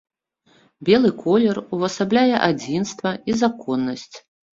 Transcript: Белы колер увасабляе адзінства і законнасць.